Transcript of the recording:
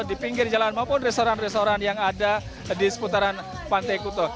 di pinggir jalan maupun restoran restoran yang ada di seputaran pantai kuto